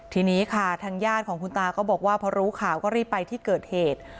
ทีนี้ค่ะทางญาติของคุณตาก็บอกว่าพอรู้ข่าวก็รีบไปที่เกิดเหตุ